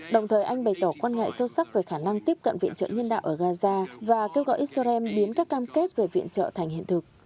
đồng thời anh bày tỏ quan ngại sâu sắc về khả năng tiếp cận viện trợ nhân đạo ở gaza và kêu gọi israel biến các cam kết về viện trợ thành hiện thực